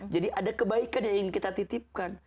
jadi ada kebaikan yang ingin kita titipkan